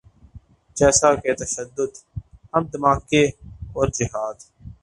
جیسا کہ تشدد، بم دھماکے اورجہاد۔